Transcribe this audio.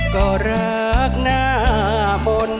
ก็รักหน้าฝน